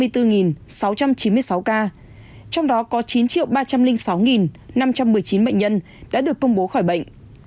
trong đó có chín ba trăm linh sáu năm trăm một mươi chín bệnh nhân đã được công bố khỏi bệnh